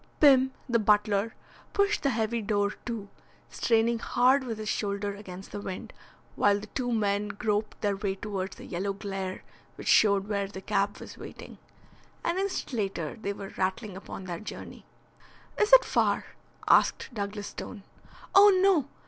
Pim, the butler, pushed the heavy door to, straining hard with his shoulder against the wind, while the two men groped their way towards the yellow glare which showed where the cab was waiting. An instant later they were rattling upon their journey. "Is it far?" asked Douglas Stone. "Oh, no.